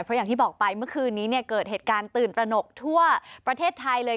เพราะอย่างที่บอกไปเมื่อคืนนี้เกิดเหตุการณ์ตื่นตระหนกทั่วประเทศไทยเลย